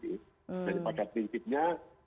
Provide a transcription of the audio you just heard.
dan pada prinsipnya